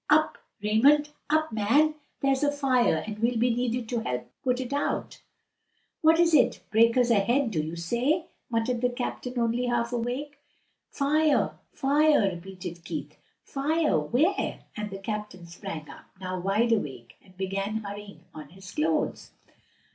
"Up, Raymond! up, man! There's a fire and we'll be needed to help put it out." "What is it? breakers ahead, do you say?'" muttered the captain, only half awake. "Fire! fire!" repeated Keith. "Fire? where?" and the captain sprang up, now wide awake, and began hurrying on his clothes.